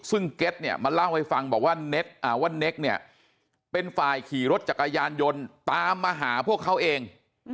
ซึ่งเก็ตเนี่ยมาเล่าให้ฟังบอกว่าว่าเน็กเนี่ยเป็นฝ่ายขี่รถจักรยานยนต์ตามมาหาพวกเขาเอง